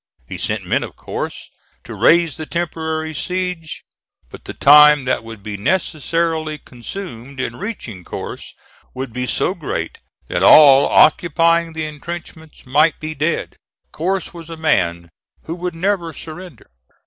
He sent men, of course, to raise the temporary siege, but the time that would be necessarily consumed in reaching Corse, would be so great that all occupying the intrenchments might be dead. Corse was a man who would never surrender.